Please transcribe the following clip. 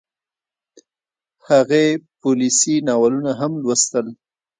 هغې پوليسي ناولونه هم لوستل